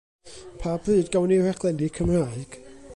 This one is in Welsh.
Pa bryd gawn ni raglenni Cymraeg?